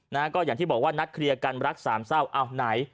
นะฮะก็อย่างที่บอกว่านัดเคลียร์กันรักสามเศร้าอ้าวไหน